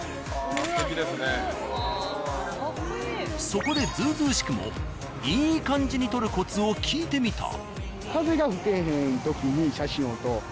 そこでずうずうしくもいい感じに撮るコツを聞いてみた。